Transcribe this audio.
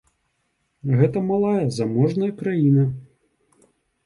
Гэта малая заможная краіна.